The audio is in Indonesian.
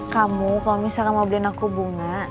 kamu kalau misalnya mau beliin aku bunga